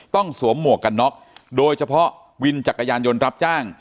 สวมหมวกกันน็อกโดยเฉพาะวินจักรยานยนต์รับจ้าง